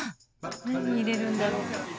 何入れるんだろう？